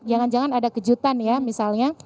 jangan jangan ada kejutan ya misalnya